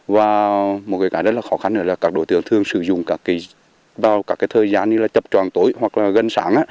và một cái khó khăn nữa là các đối tượng thường sử dụng vào thời gian như chập tròn tối hoặc gần sáng